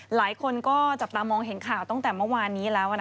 หลายคนก็จับตามองเห็นข่าวตั้งแต่เมื่อวานนี้แล้ว